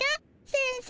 先生。